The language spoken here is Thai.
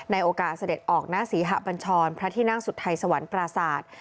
โอกาสเสด็จออกหน้าศรีหะบัญชรพระที่นั่งสุทัยสวรรค์ปราศาสตร์